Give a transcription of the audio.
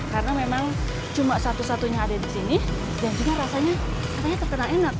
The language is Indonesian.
karena memang cuma satu satunya ada di sini dan juga rasanya terkenal enak